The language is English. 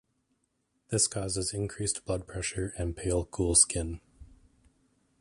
This causes increased blood pressure and pale, cool skin.